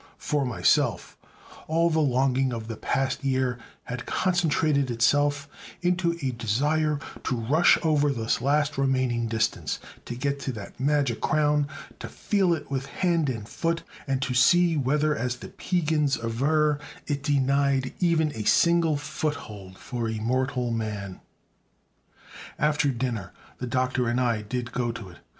For myself, all the longing of the past year had concentrated itself into a desire to rush over this last remaining distance; to get to that magic crown, to feel it with hand and foot, and to see whether, as the Piegans aver, it denied even a single foothold for a mortal man. After dinner the Doctor and I did go to it.